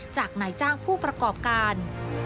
จากนายจ้างผู้ประกอบการ